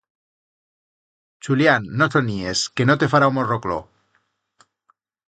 Chulián, no soníes, que no te fará o morro cloc!